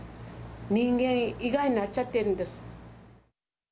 人間以外になっちゃってるんです。